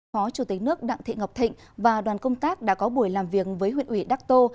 phó chủ tịch nước đặng thị ngọc thịnh và đoàn công tác đã có buổi làm việc với huyện ủy đắc tô